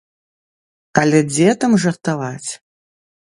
Але дзе там жартаваць!